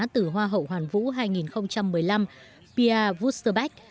từ hoa hậu hoàn vũ hai nghìn một mươi năm pia voutsobach